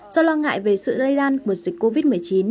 do lo ngại về sự lây lan của dịch covid một mươi chín